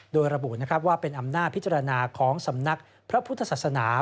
โดยระบุว่าเป็นอำนาจพิจารณาของสำนักพระพุทธศาสนา